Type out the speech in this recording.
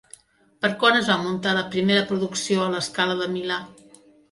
Per quan es va muntar la primera producció a La Scala de Milà?